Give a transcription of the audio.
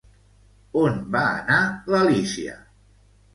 On va anar l'Alícia?